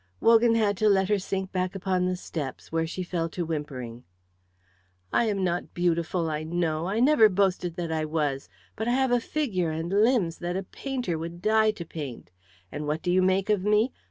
Wogan had to let her sink back upon the steps, where she fell to whimpering. "I am not beautiful, I know; I never boasted that I was; but I have a figure and limbs that a painter would die to paint. And what do you make of me?